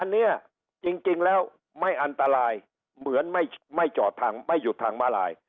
อันนี้จริงแล้วไม่อันตรายเหมือนไม่จอดทางไม่หยุดทางมาลาย